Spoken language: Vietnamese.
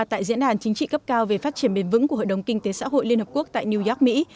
tại diễn đàn chính trị cấp cao về phát triển bền vững của hội đồng kinh tế xã hội liên hợp quốc tại new york mỹ